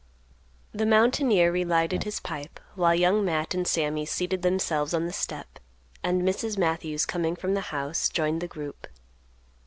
The mountaineer relighted his pipe, while Young Matt and Sammy seated themselves on the step, and Mrs. Matthews coming from the house joined the group.